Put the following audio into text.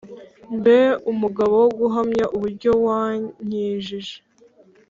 Mbe umugabo wo guhamya uburyo wankijije